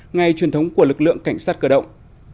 ngày truyền thống của lực lượng cảnh sát cơ động